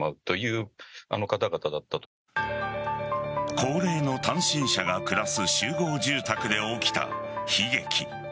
高齢の単身者が暮らす集合住宅で起きた悲劇。